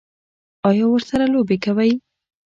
ایا ورسره لوبې کوئ؟